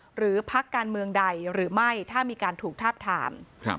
พักการเมืองใดหรือไม่ถ้ามีการถูกทาบทาม